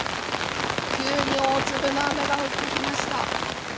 急に大粒の雨が降ってきました。